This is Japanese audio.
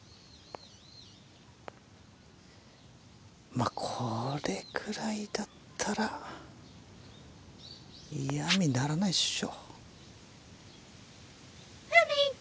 まあこれぐらいだったら嫌みにならないっしょ。